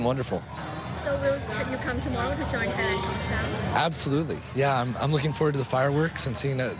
เราเราก็เรียกว่าท่านทุกคนก็จริงนะครับ